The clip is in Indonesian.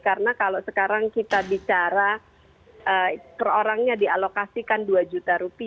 karena kalau sekarang kita bicara per orangnya dialokasikan rp dua juta